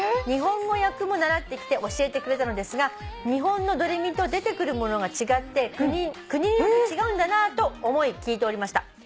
「日本語訳も習ってきて教えてくれたのですが日本の『ド・レ・ミ』と出てくるものが違って国によって違うんだなと思い聞いておりました」